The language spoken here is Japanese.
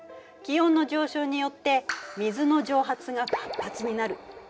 気温の上昇によって水の蒸発が活発になる。